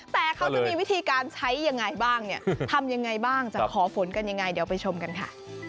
แต่เขาจะมีวิธีการใช้อย่างไรบ้างทำอย่างไรบ้างจะขอฝนกันอย่างไรเดี๋ยวไปชมกันค่ะ